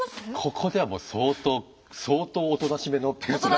ここではもう相当相当おとなしめのペルソナ。